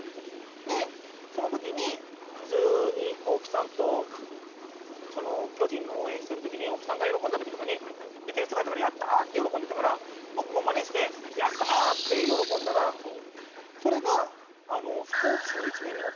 でその時に普通に大木さんと巨人の応援してる時に大木さんが喜んだ時とかに点数が入ったから「やったー」って喜んでたから僕もまねして「やったー」って喜んだらそれがあの。